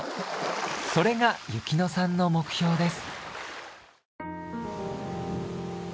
それが由希乃さんの目標です。